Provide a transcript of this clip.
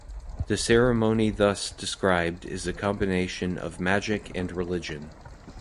The ceremony thus described is a combination of magic and religion.